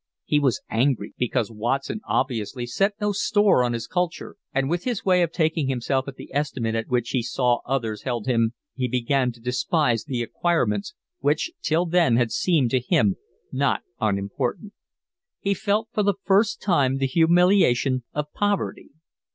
He was angry because Watson obviously set no store on his culture, and with his way of taking himself at the estimate at which he saw others held him he began to despise the acquirements which till then had seemed to him not unimportant. He felt for the first time the humiliation of poverty.